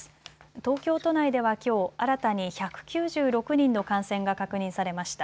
東京都内では、きょう新たに１９６人の感染が確認されました。